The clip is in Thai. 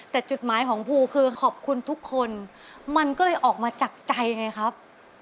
แต่จุดหมายของภูคือขอบคุณทุกคนมันก็เลยออกมาจากใจไงครับ